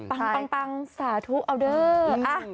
ปังปังปังสาธุอาวเดอร์